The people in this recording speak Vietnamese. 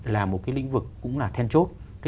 là một lĩnh vực cũng là then chốt